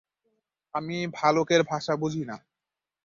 আমি ভালুকের ভাষা বুঝি না।